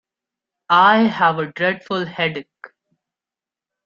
I have a dreadful headache.